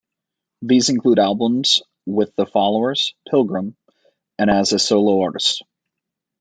These include albums with The Followers, Pilgrim, and as a solo artist.